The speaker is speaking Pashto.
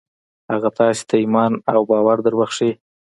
هغه تاسې ته ايمان او باور دربښي.